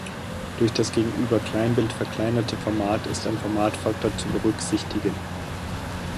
Durch das gegenüber Kleinbild verkleinerte Format ist ein Formatfaktor zu berücksichtigen.